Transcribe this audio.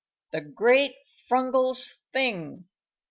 THE GREAT FRUNGLES THING!